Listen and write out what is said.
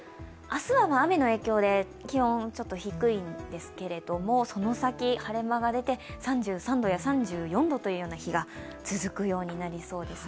明日は雨の影響で気温、ちょっと低いんですけれどその先、晴れ間が出て３３度や３４度という日が続くようになりそうです。